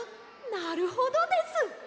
なるほどです。